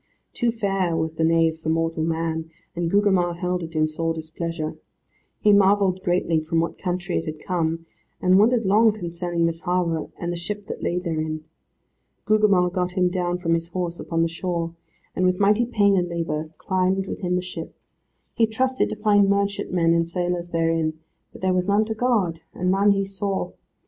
Too fair was the nave for mortal man, and Gugemar held it in sore displeasure. He marvelled greatly from what country it had come, and wondered long concerning this harbour, and the ship that lay therein. Gugemar got him down from his horse upon the shore, and with mighty pain and labour climbed within the ship. He trusted to find merchantmen and sailors therein, but there was none to guard, and none he saw.